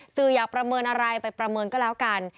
สื่ออยากประเมินอะไรไปประเมินก็แล้วกัน